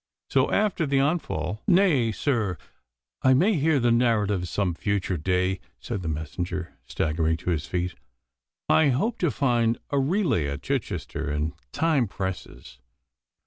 So after the onfall ' 'Nay, sir, I may hear the narrative some future day,' said the messenger, staggering to his feet. 'I hope to find a relay at Chichester, and time presses.